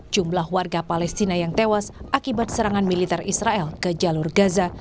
jumlah warga palestina yang tewas akibat serangan militer israel ke jalur gaza